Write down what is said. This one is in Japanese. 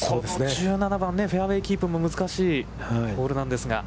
この１７番、フェアウェイキープも難しいホールなんですが。